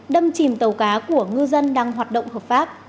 đâm chìm tàu cá của ngư dân đang hoạt động hợp pháp